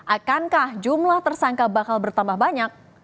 akankah jumlah tersangka bakal bertambah banyak